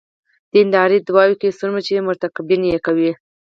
دیندارۍ ادعا کوي څومره چې مرتکبین یې کوي.